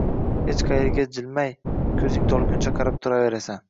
Hech qayerga jilmay, ko’zing tolguncha qarab turaverasan.